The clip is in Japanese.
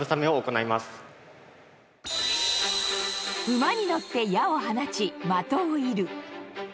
馬に乗って矢を放ち的を射る。